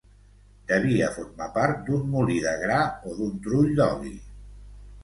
Devia formar part d'un molí de gra o d'un trull d'oli.